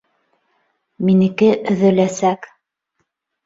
Минеке өҙөләсәк!